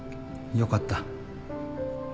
よかった